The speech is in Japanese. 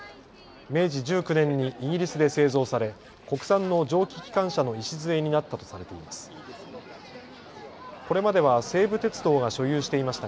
明治１９年にイギリスで製造され国産の蒸気機関車の礎になったとされています。